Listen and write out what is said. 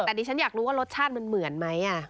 แต่ดิฉันอยากรู้ว่ารสชาติมันเหมือนไหม